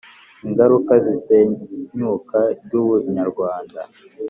Ingaruka z isenyuka ry ubunyarwanda